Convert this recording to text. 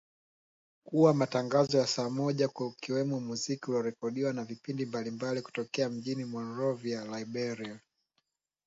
kuwa matangazo ya saa moja kukiwemo muziki uliorekodiwa na vipindi mbalimbali kutokea mjini Monrovia, Liberia